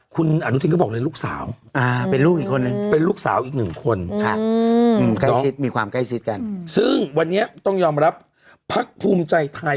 คุณอนุทินก็บอกเลยลูกสาวเป็นลูกสาวอีกหนึ่งคนซึ่งวันนี้ต้องยอมรับพักภูมิใจไทย